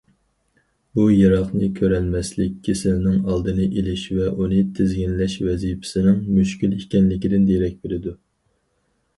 بۇ، يىراقنى كۆرەلمەسلىك كېسىلىنىڭ ئالدىنى ئېلىش ۋە ئۇنى تىزگىنلەش ۋەزىپىسىنىڭ مۈشكۈل ئىكەنلىكىدىن دېرەك بېرىدۇ.